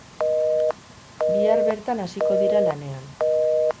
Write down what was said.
Bihar bertan hasiko dira lanean.